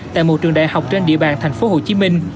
tại một trường đại học trên địa bàn tp hcm